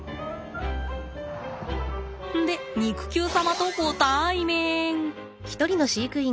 んで肉球様とご対面。